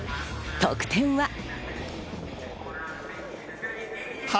得点は。